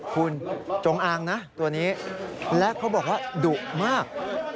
คุณจงอางนะตัวนี้และเขาบอกว่าดุมาก